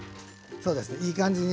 そうですね